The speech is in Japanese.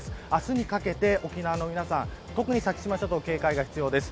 明日にかけて沖縄の皆さん特に先島諸島、警戒が必要です。